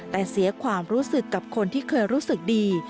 แต่เสียความรู้สึกกับคนที่เคยรู้สึกดี